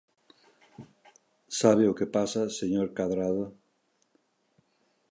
¿Sabe o que pasa, señor Cadrado?